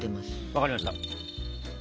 分かりました。